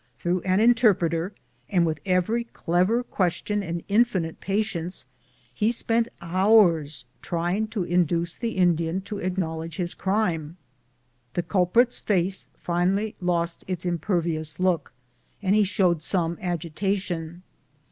Through an in., terpreter, and with every clever question and infinite patience he spent hours trying to induce the Indian to acknowledge his crime. The culprit's face finally lost its impervious look, and he showed some agitation.